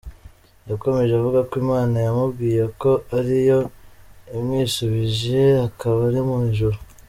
Yakomeje avuga ko Imana yamubwiye ko ari yo imwisubije akaba ari mu ijuru.